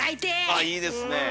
あいいですね。